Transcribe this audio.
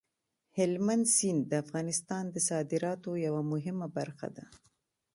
هلمند سیند د افغانستان د صادراتو یوه مهمه برخه ده.